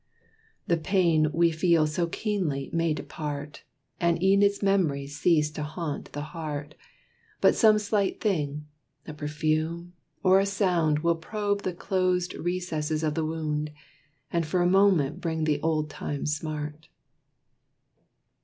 The pain we feel so keenly may depart, And e'en its memory cease to haunt the heart; But some slight thing, a perfume, or a sound Will probe the closed recesses of the wound, And for a moment bring the old time smart.